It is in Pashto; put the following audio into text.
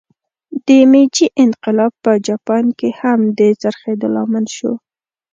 د میجي انقلاب په جاپان کې هم د څرخېدو لامل شو.